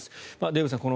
デーブさん